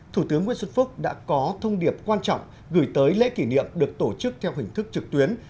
thủ tướng nguyễn xuân phúc đã có thông điệp quan trọng gửi tới lễ kỷ niệm được tổ chức theo hình thức trực tuyến